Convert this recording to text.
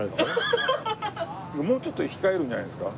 もうちょっと控えるんじゃないですか？